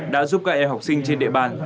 đã giúp các em học sinh trên địa bàn